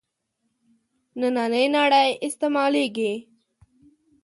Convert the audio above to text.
نننۍ نړۍ استعمالېږي.